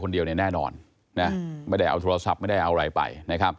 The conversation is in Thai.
เดียวแน่นอนไม่ได้เอาโทรศัพท์ไม่ได้เอาอะไรไป